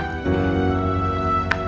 aku mau pergi